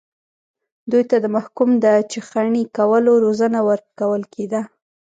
دوی ته د محکوم د چخڼي کولو روزنه ورکول کېده.